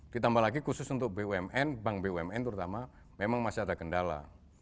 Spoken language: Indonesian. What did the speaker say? ditambah lagi khusus untuk bumn bank bumn terutama memang masih ada kendala